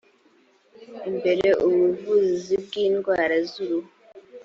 imbere ubuvuzi bw indwara z uruhu